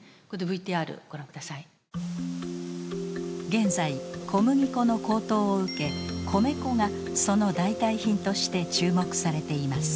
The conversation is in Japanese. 現在小麦粉の高騰を受け米粉がその代替品として注目されています。